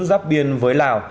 giáp biên với lào